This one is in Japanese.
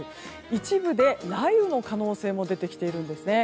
一部で雷雨の可能性も出てきているんですね。